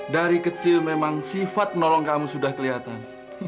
dari kecil memang sifat nolong kamu sudah kelihatan